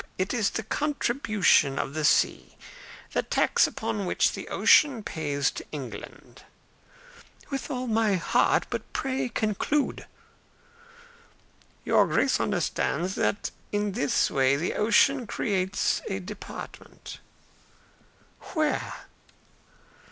It is the contribution of the sea the tax which the ocean pays to England." "With all my heart. But pray conclude." "Your Grace understands that in this way the ocean creates a department." "Where?"